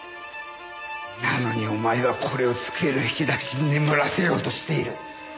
なのにお前はこれを机の引き出しに眠らせようとしている。